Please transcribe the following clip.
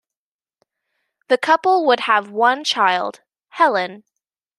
The couple would have one child, Helen.